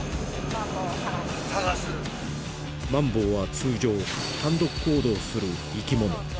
マンボウは通常単独行動する生き物